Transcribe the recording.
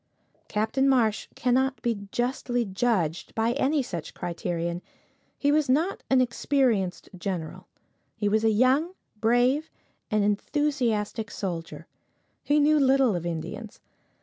Captain Marsh cannot be justly judged by any such criterion. He was not an experienced general. He was a young, brave, and enthusiastic soldier. He knew little of Indians.